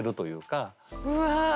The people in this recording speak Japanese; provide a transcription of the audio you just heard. うわ。